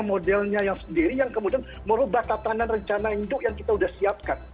modelnya yang sendiri yang kemudian merubah tatanan rencana induk yang kita sudah siapkan